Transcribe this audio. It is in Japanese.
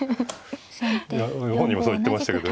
本人はそう言ってましたけど。